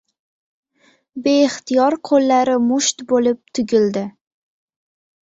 Beixtiyor qo`llari musht bo`lib tugildi